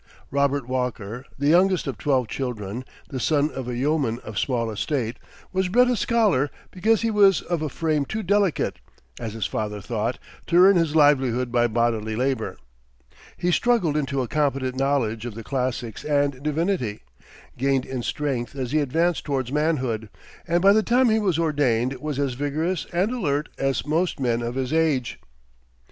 Robert Walker, the youngest of twelve children, the son of a yeoman of small estate, was bred a scholar because he was of a frame too delicate, as his father thought, to earn his livelihood by bodily labor. He struggled into a competent knowledge of the classics and divinity, gained in strength as he advanced towards manhood, and by the time he was ordained was as vigorous and alert as most men of his age.